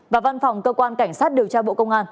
và văn phòng cơ quan cảnh sát điều tra bộ công an